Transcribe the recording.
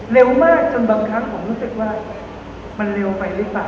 เร็วมากจนบางครั้งผมรู้สึกว่ามันเร็วไปหรือเปล่า